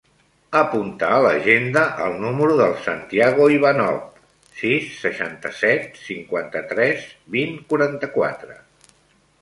Apunta a l'agenda el número del Santiago Ivanov: sis, seixanta-set, cinquanta-tres, vint, quaranta-quatre.